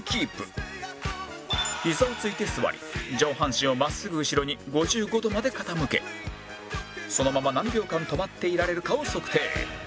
ひざをついて座り上半身を真っすぐ後ろに５５度まで傾けそのまま何秒間止まっていられるかを測定